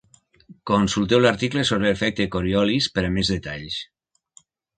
Consulteu l'article sobre l'Efecte Coriolis per a més detalls.